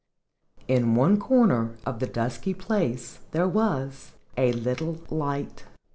In one corner of the dusky place there was a little light.